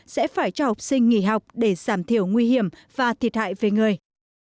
sẽ phải cho học sinh nghỉ học để giảm thiểu nguy hiểm và thiệt hại về người